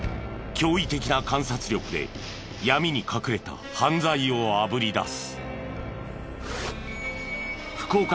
驚異的な観察力で闇に隠れた犯罪をあぶり出す。